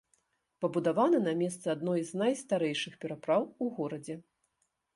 Пабудаваны на месцы адной з найстарэйшых перапраў у горадзе.